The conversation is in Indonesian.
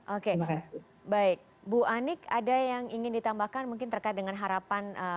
oke baik bu anik ada yang ingin ditambahkan mungkin terkait dengan harapan